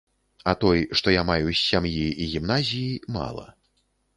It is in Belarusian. А той, што я маю з сям'і і гімназіі, мала.